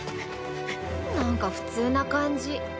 なんか普通な感じ。